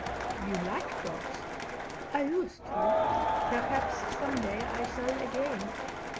"Do you like dogs?" "I used to. Perhaps some day I shall again."